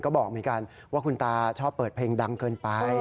ก็บอกเหมือนกันว่าคุณตาชอบเปิดเพลงดังเกินไป